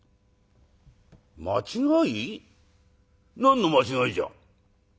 「間違い？何の間違いじゃ」。